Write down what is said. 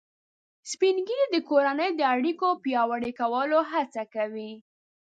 سپین ږیری د کورنۍ د اړیکو پیاوړي کولو هڅه کوي